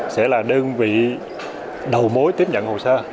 sẽ là đơn vị đầu mối tiếp nhận hồ sơ